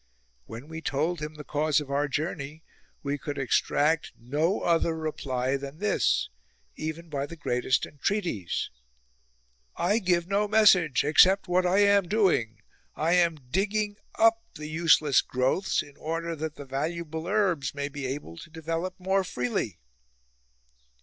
When we told him the cause of our journey we could extract no other reply than this, even by the greatest entreaties :* I give no message, except — what I am doing ! I am digging up the useless growths in order that the valuable herbs may be able to develop more freely.'